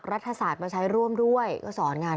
คุณผู้ชมไปฟังเสียงพร้อมกัน